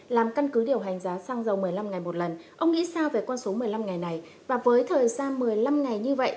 làm căn cứ điều hành giá xăng dầu một mươi năm ngày một lần ông nghĩ sao về con số một mươi năm ngày này và với thời gian một mươi năm ngày như vậy